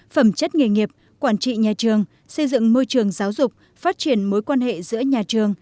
phẩm chất nghề nghiệp quản trị nhà trường xây dựng môi trường giáo dục phát triển mối quan hệ giữa nhà trường